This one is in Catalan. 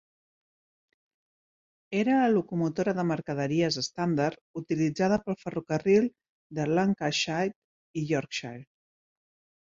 Era la locomotora de mercaderies estàndard utilitzada pel Ferrocarril de Lancashite i Yorkshire.